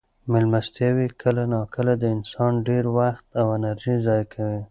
مېلمستیاوې کله ناکله د انسان ډېر وخت او انرژي ضایع کوي.